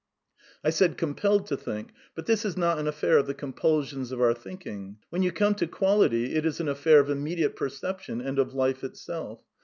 I said ^^ com pelled to think "; but this is not an affair of the compul sions of our thinking; when you come to quality it is an affair of immediate perception and of life itself.